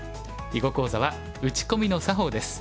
囲碁講座は「打ち込みの作法」です。